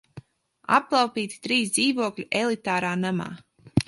Aplaupīti trīs dzīvokļi elitārā namā!